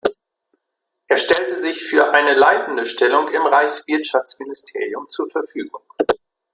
Er stellte sich für eine leitende Stellung im Reichswirtschaftsministerium zur Verfügung.